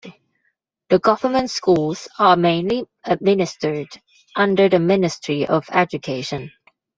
The government schools are mainly administered under the Ministry of Education.